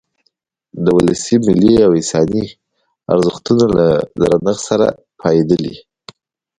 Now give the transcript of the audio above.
د ولسي، ملي او انساني ارزښتونو له درنښت سره پاېدلی.